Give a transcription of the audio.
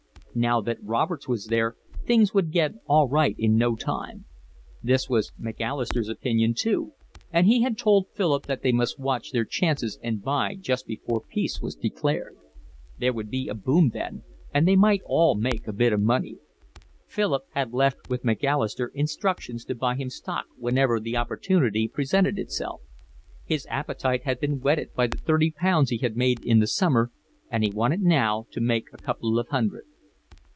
Now that Roberts was there things would get all right in no time. This was Macalister's opinion too, and he had told Philip that they must watch their chance and buy just before peace was declared. There would be a boom then, and they might all make a bit of money. Philip had left with Macalister instructions to buy him stock whenever the opportunity presented itself. His appetite had been whetted by the thirty pounds he had made in the summer, and he wanted now to make a couple of hundred.